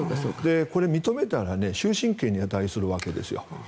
これ、認めたら終身刑に値するわけですよ。